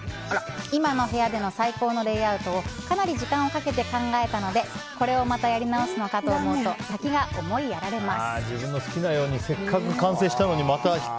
今の部屋での最高のレイアウトをかなり時間をかけて考えたのでこれをまたやり直すのかと思うと先が思いやられます。